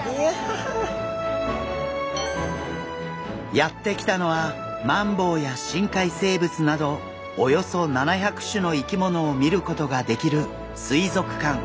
やって来たのはマンボウや深海生物などおよそ７００種の生き物を見ることができる水族館。